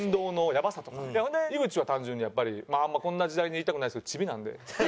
ほんで井口は単純にやっぱりこんな時代に言いたくないですけどチビなんで。